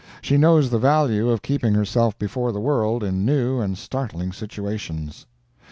She knows the value of keeping herself before the world in new and startling situations.